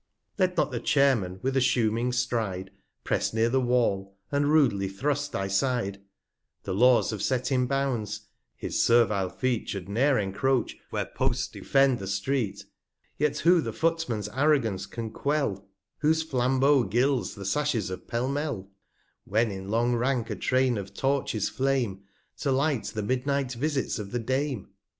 Let not the Chairman, with assuming Stride, Press near the Wall, and rudely thrust thy Side : The Laws have set him Bounds; his servile Feet 155 Should ne'er encroach where Posts defend the Street. Yet who the Footman's Arrogance can quell, wgai : r K i r i A 39 Whose Flambeau gilds the Sashes of Pell mell ? When in long Rank a Train of Torches flame, To light the Midnight Visits of the Dame